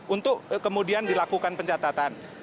untuk kemudian dilakukan pencatatan